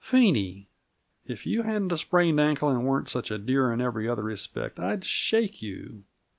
"Phenie! If you hadn't a sprained ankle, and weren't such a dear in every other respect, I'd shake you!